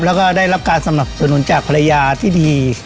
แล้วก็ได้รับการสนับสนุนจากภรรยาที่ดี